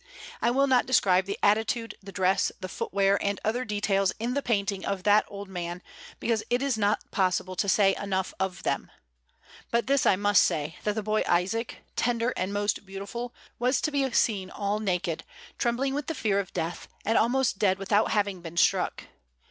I will not describe the attitude, the dress, the foot wear, and other details in the painting of that old man, because it is not possible to say enough of them; but this I must say, that the boy Isaac, tender and most beautiful, was to be seen all naked, trembling with the fear of death, and almost dead without having been struck.